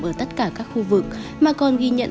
ở tất cả các khu vực mà còn ghi nhận